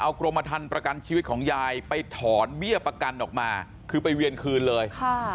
กรมทันประกันชีวิตของยายไปถอนเบี้ยประกันออกมาคือไปเวียนคืนเลย